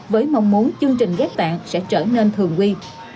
với mong muốn chương trình ghép tạng sẽ trở nên thường quy